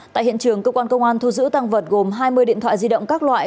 tại hiện trường cơ quan công an thu giữ tăng vật gồm hai mươi điện thoại di động các loại